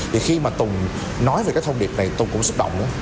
thì khi mà tùng nói về cái thông điệp này tùng cũng xúc động